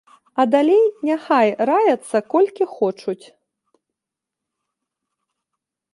А далей няхай раяцца колькі хочуць.